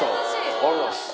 ありがとうございます。